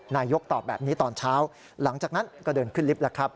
นายกตอบแบบนี้ตอนเช้าหลังจากนั้นก็เดินขึ้นลิฟต์แล้วครับ